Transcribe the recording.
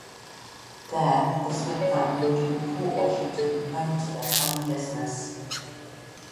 There, the Smith family would call Port Washington home to their family business.